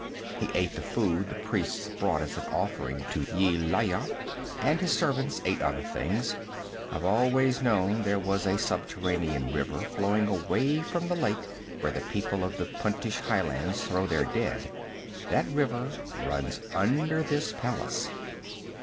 He ate the food the priests brought as an offering to Yelaya, and his servants ate other things I've always known there was a subterranean river flowing away from the lake where the people of the Puntish highlands throw their dead. That river runs under this palace.